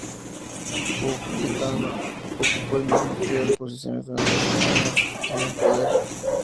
Hu Jintao ocupó el mismo trío de posiciones durante sus años en el poder.